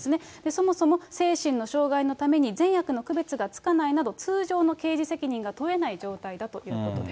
そもそも精神の障がいのために善悪の区別がつかないなど、通常の刑事責任が問えない状態だということです。